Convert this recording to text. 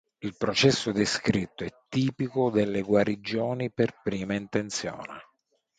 Il processo descritto è tipico delle guarigioni per prima intenzione.